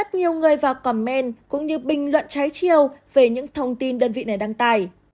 rất nhiều người vào comment cũng như bình luận trái chiêu về những thông tin đơn vị này đăng tải